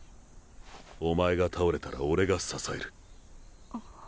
お前が倒れたら俺が支える。